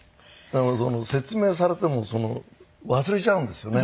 説明されても忘れちゃうんですよね